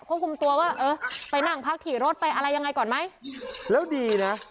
ควบคุมตัวว่าเออไปนั่งพักถี่รถไปอะไรยังไงก่อนไหมแล้วดีนะ